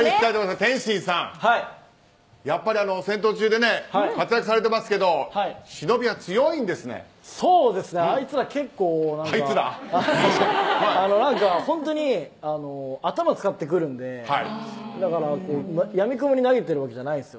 天心さん、やっぱり「戦闘中」で活躍されてますけどそうですね、あいつら結構本当に頭を使ってくるのでやみくもに投げてるわけじゃないんですよ。